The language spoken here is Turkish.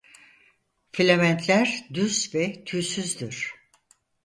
Filamentler düz ve tüysüzdür.